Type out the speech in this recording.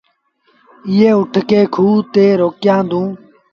ائيٚݩ اُٺ کي کوه تي روڪيآݩدي۔